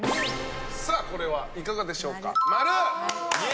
さあ、これはいかがでしょうか。